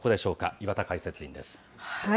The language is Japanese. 岩田解説委員です。